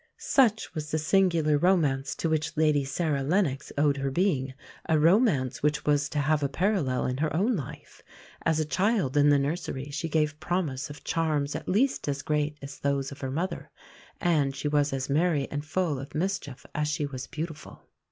Such was the singular romance to which Lady Sarah Lennox owed her being, a romance which was to have a parallel in her own life. As a child in the nursery she gave promise of charms at least as great as those of her mother. And she was as merry and full of mischief as she was beautiful.